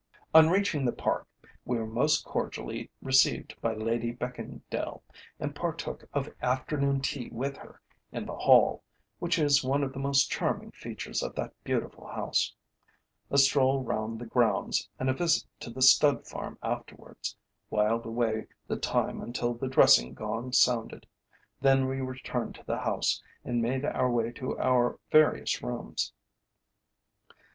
On reaching the Park, we were most cordially received by Lady Beckingdale, and partook of afternoon tea with her in the hall, which is one of the most charming features of that beautiful house. A stroll round the grounds, and a visit to the stud farm afterwards, wiled away the time until the dressing gong sounded. Then we returned to the house, and made our way to our various rooms.